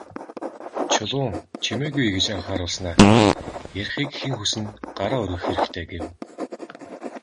Чулуун «Чимээгүй» гэж анхааруулснаа "Ярихыг хэн хүснэ, гараа өргөх хэрэгтэй" гэв.